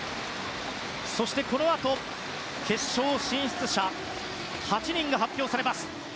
そして決勝進出者８人が発表されます。